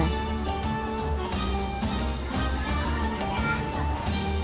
kedung asem kecamatan klausan